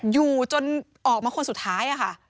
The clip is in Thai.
อยู่จนออกมาคนสุดท้ายค่ะ